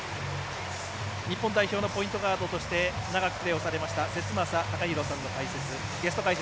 日本代表のポイントガードとして長くプレーされました節政貴弘さんの解説。